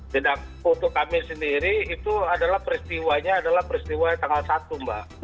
tidak untuk kami sendiri itu adalah peristiwanya adalah peristiwa tanggal satu mbak